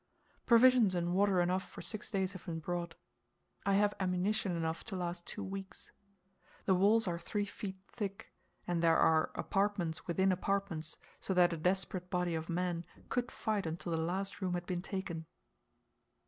Provisions and water enough for six days have been brought. I have ammunition enough to last two weeks. The walls are three feet thick, and there are apartments within apartments, so that a desperate body of men could fight until the last room had been taken.